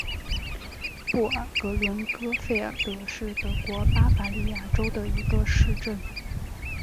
布尔格伦根费尔德是德国巴伐利亚州的一个市镇。